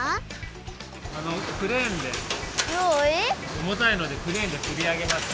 クレーンでおもたいのでクレーンでつりあげます。